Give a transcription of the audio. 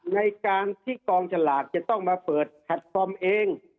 ในการที่กองฉลากจะต้องมาเปิดแพลตฟอร์มเอง